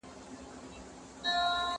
زه به سبا تمرين کوم!؟